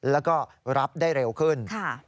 แล้วก็รับได้เร็วขึ้น